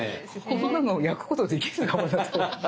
こんなの焼くことできるのかなと。